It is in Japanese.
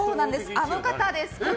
あの方です。